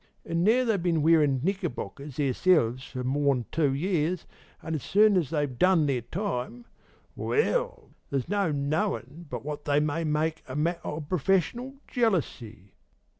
An' now they've bin wearin' knickerbockers theirselves for more'n two years, an' as soon as they've done their time well, there's no knowin' but what they may make it a matter o' professional jealousy.